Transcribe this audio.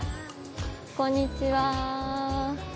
こんにちは。